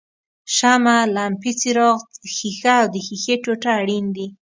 شمع، لمپې څراغ ښيښه او د ښیښې ټوټه اړین دي.